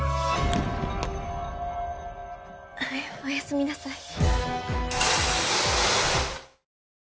おやすみなさい。